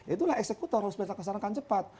itulah eksekutor harus berkesanakan cepat